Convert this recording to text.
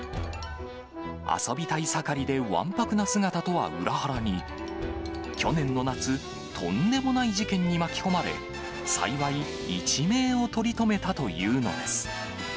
遊びたい盛りでわんぱくな姿とは裏腹に、去年の夏、とんでもない事件に巻き込まれ、幸い、一命を取り留めたというのです。